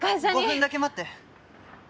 ５分だけ待って。